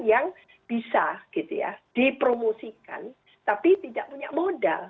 yang bisa gitu ya dipromosikan tapi tidak punya modal